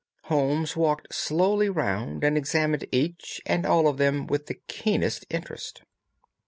Holmes walked slowly round and examined each and all of them with the keenest interest.